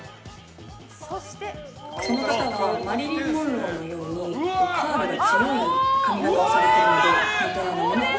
その方はマリリン・モンローのようにカールの強い髪形をされています。